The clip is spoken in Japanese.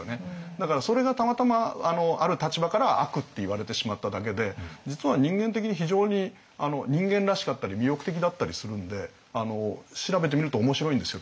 だからそれがたまたまある立場から「悪」って言われてしまっただけで実は人間的に非常に人間らしかったり魅力的だったりするんで調べてみると面白いんですよ